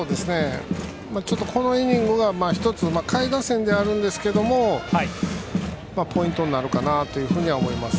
このイニングは１つ下位打線ですがポイントになるかなと思います